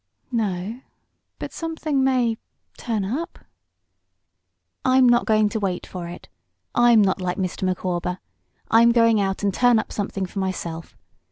"No, but something may turn up." "I'm not going to wait for it. I'm not like Mr. Micawber. I'm going out and turn up something for myself.